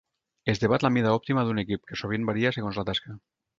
Es debat la mida òptima d'un equip, que sovint varia segons la tasca.